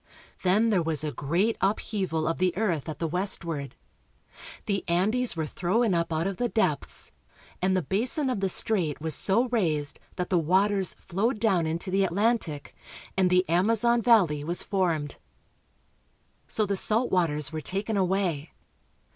Then there was a great upheaval of the earth at the westward. The Andes were thrown up out of the depths, and the basin of the strait was so raised that the waters flowed down into the Atlantic, and the Amazon valley was formed. So the salt waters were taken away.